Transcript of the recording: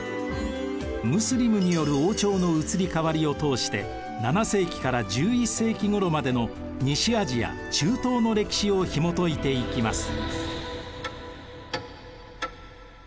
ムスリムによる王朝の移り変わりを通して７世紀から１１世紀ごろまでの西アジア・中東の歴史をひもといていきます。